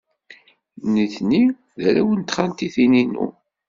Nitni d arraw n txaltitin-inu.